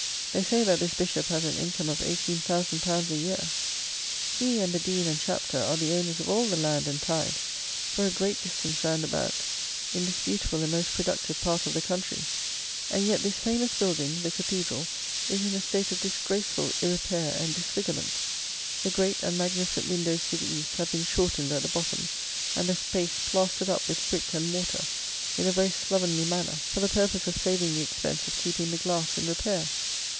They say that this bishop has an income of £18,000 a year. He and the dean and chapter are the owners of all the land and tithes, for a great distance round about, in this beautiful and most productive part of the country; and yet this famous building, the cathedral, is in a state of disgraceful irrepair and disfigurement. The great and magnificent windows to the east have been shortened at the bottom, and the space plastered up with brick and mortar, in a very slovenly manner, for the purpose of saving the expense of keeping the glass in repair.